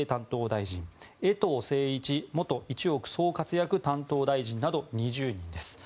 大臣衛藤晟一元一億総活躍担当大臣など２０人です。